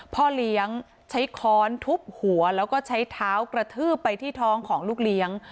พ่อเลี้ยงใช้ค้อนทุบหัวแล้วก็ใช้เท้ากระทืบไปที่ท้องของลูกเลี้ยง